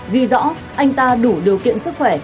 ghi rõ anh ta đủ điều kiện sức khỏe